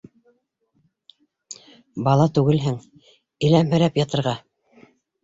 Бала түгелһең, иләмһерәп ятырға!